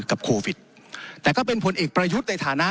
โควิดแต่ก็เป็นผลเอกประยุทธ์ในฐานะ